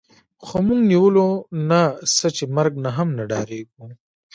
خو موږ نیولو نه څه چې مرګ نه هم نه ډارېږو